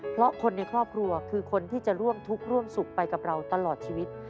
เพราะคนในครอบครัวคือคนที่จะร่วมทุกข์ร่วมสุขไปกับเราตลอดชีวิต